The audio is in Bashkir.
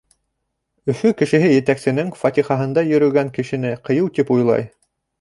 Өфө кешеһе етәксенең фатихаһында йөрөгән кешене ҡыйыу тип уйлай.